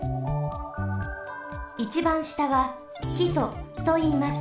いちばんしたはきそといいます。